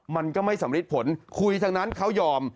มันก็ไม่สำริดผลคุยทั้งนั้นเขายอม